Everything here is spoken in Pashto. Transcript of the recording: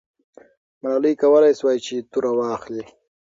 ملالۍ کولای سوای چې توره واخلي.